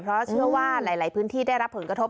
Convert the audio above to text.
เพราะเชื่อว่าหลายพื้นที่ได้รับผลกระทบ